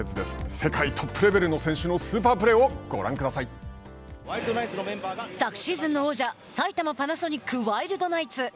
世界トップレベルの選手の昨シーズンの王者埼玉パナソニックワイルドナイツ。